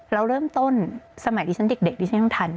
เราเริ่มต้นสมัยดิฉันเด็กดิฉันต้องทัน